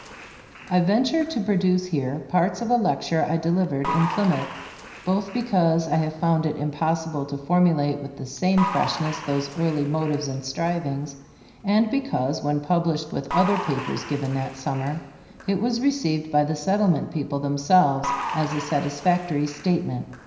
I venture to produce here parts of a lecture I delivered in Plymouth, both because I have found it impossible to formulate with the same freshness those early motives and strivings, and because, when published with other papers given that summer, it was received by the Settlement people themselves as a satisfactory statement.